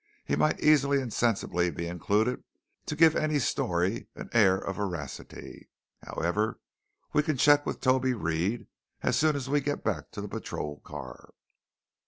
He might easily and sensibly be included to give any story an air of veracity. However, we can check with Toby Reed as soon as we get back to the patrol car."